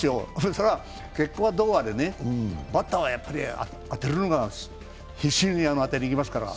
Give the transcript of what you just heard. それは結果はどうあれ、バッターはやっぱり必死に当てにいきますから。